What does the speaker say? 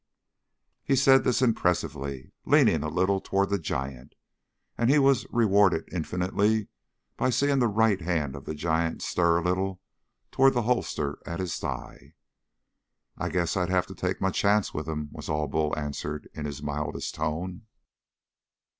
He said this impressively, leaning a little toward the giant, and he was rewarded infinitely by seeing the right hand of the giant stir a little toward the holster at his thigh. "I guess I'd have to take my chance with him," was all Bull answered in his mildest tone.